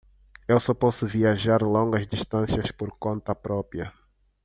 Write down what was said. Eu só posso viajar longas distâncias por conta própria